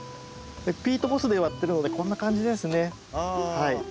ピートモスで埋わってるのでこんな感じですね。